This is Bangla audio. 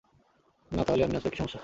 না তাহলে আমি নাচলে কি সমস্যা?